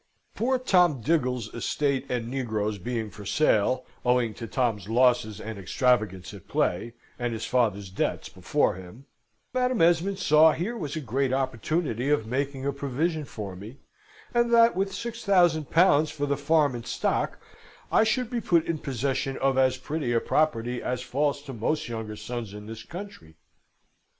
"Poor Tom Diggle's estate and negroes being for sale, owing to Tom's losses and extravagance at play, and his father's debts before him Madam Esmond saw here was a great opportunity of making a provision for me, and that with six thousand pounds for the farm and stock, I should be put in possession of as pretty a property as falls to most younger sons in this country.